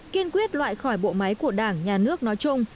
kiên quyết loại khỏi bộ máy của đảng nhà nước nói chung